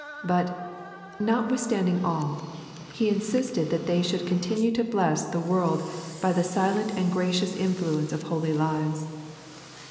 But, notwithstanding all. He insisted that they should continue to bless the world by the dlent and gracious influence of holy lives.